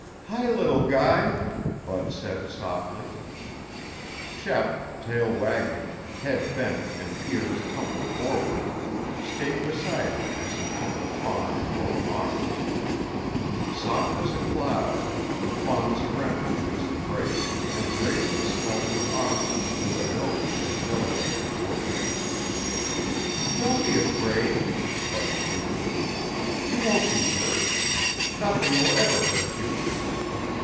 "Hi, little guy," Bud said softly. Shep, tail wagging, head bent and ears tumbled forward, stayed beside him as he took the fawn in both arms. Soft as a cloud, the fawn surrendered to his embrace and gravely smelled his arm with a nose as delicate as an orchid. "Don't be afraid," Bud crooned. "You won't be hurt. Nothing will ever hurt you."